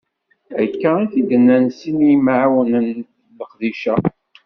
D akka i t-id-nnan sin n yimɛawnen n leqdic-a.